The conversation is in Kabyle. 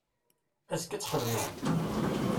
Azekka ad txedmem?